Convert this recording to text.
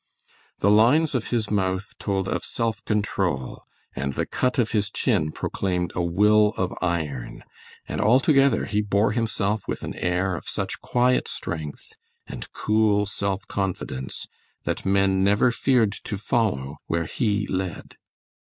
The lines of his mouth told of self control, and the cut of his chin proclaimed a will of iron, and altogether, he bore himself with an air of such quiet strength and cool self confidence that men never feared to follow where he led.